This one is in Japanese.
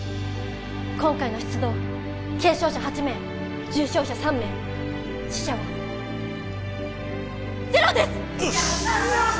今回の出動軽傷者８名重傷者３名死者はゼロですやった！